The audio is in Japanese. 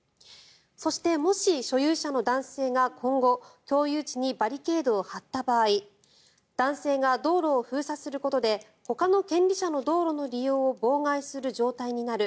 そして、もし所有者の男性が今後、共有地にバリケードを張った場合男性が道路を封鎖することでほかの権利者の道路の利用を妨害する状態になる。